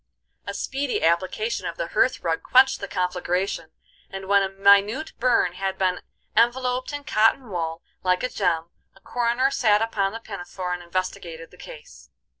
A speedy application of the hearth rug quenched the conflagration, and when a minute burn had been enveloped in cotton wool, like a gem, a coroner sat upon the pinafore and investigated the case.